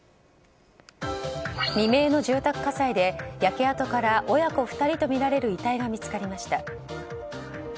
未明の住宅火災で焼け跡から親子２人とみられる遺体が見つかりました。